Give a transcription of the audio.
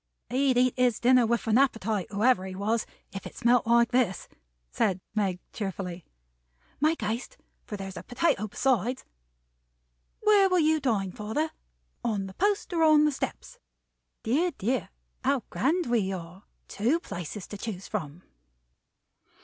"He'd eat his dinner with an appetite, whoever he was, if it smelt like this," said Meg, cheerfully. "Make haste, for there's a potato besides. Where will you dine, father? On the Post, or on the Steps? Dear, dear, how grand we are. Two places to choose from!"